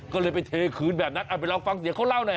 ก็เลยไปเทคืนแบบนั้นเอาไปลองฟังเสียงเขาเล่าหน่อย